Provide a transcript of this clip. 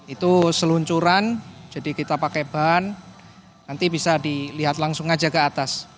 itu seluncuran jadi kita pakai ban nanti bisa dilihat langsung aja ke atas